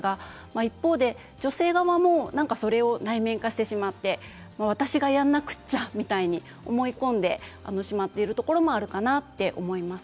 一方で女性側もそれを内面化してしまって私がやらなくちゃと思い込んでしまっているところもあるかなと思います。